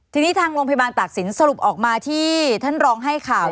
ทีนี้ทางโรงพยาบาลตากศิลปสรุปออกมาที่ท่านรองให้ข่าว